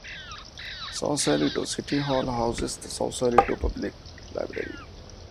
Sausalito City Hall houses the Sausalito Public Library.